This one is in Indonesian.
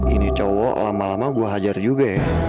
ini cowok lama lama gue hajar juga ya